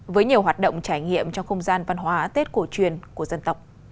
với nhiều hoạt động trải nghiệm trong không gian văn hóa tết cổ truyền của dân tộc